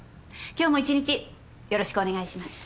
今日も一日よろしくお願いします。